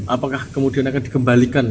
apakah kemudian akan dikembalikan